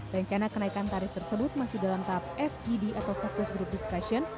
rencana kenaikan tarif tersebut masih dalam tahap fgd atau fokus group discussion